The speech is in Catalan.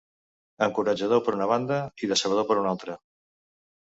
Encoratjador, per una banda, i decebedor, per una altra.